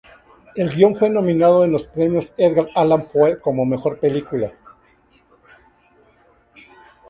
El guion fue nominado en los Premios Edgar Allan Poe como Mejor Película.